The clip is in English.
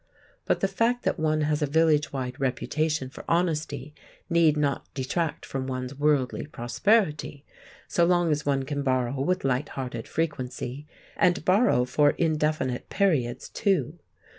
But the fact that one has a village wide reputation for honesty need not detract from one's worldly prosperity—so long as one can borrow with light hearted frequency, and borrow for indefinite periods, too!